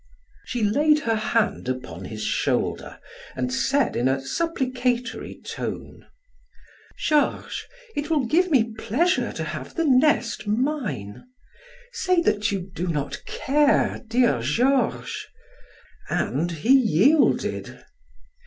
She laid her hand upon his shoulder and said in a supplicatory tone: "Georges, it will give me pleasure to have the nest mine. Say that you do not care, dear Georges," and he yielded.